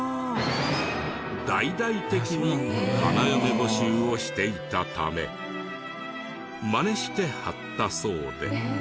大々的に花嫁募集をしていたためマネして貼ったそうで。